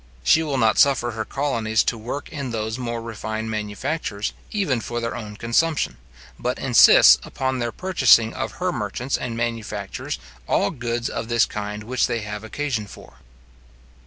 She will not suffer her colonies to work in those more refined manufactures, even for their own consumption; but insists upon their purchasing of her merchants and manufacturers all goods of this kind which they have occasion for.